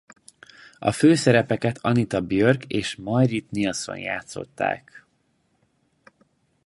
A főszerepeket Anita Björk és Maj-Britt Nilsson játszották.